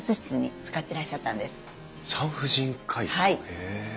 へえ。